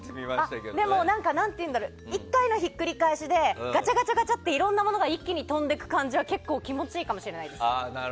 １回のひっくり返しでガチャガチャっていろんなものが一気に飛んでいく感じは結構気持ちいいかもしれないです。